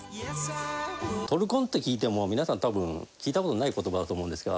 「トルコン」って聞いても皆さん多分聞いた事ない言葉だと思うんですが。